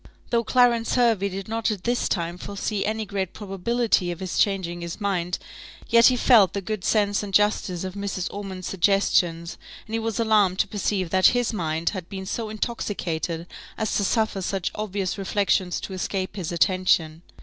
Though Clarence Hervey did not at this time foresee any great probability of his changing his mind, yet he felt the good sense and justice of Mrs. Ormond's suggestions; and he was alarmed to perceive that his mind had been so intoxicated as to suffer such obvious reflections to escape his attention.